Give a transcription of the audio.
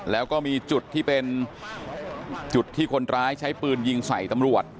แล้วก็มีจุดที่เป็นจุดที่คนร้ายใช้ปืนยิงใส่ตำรวจ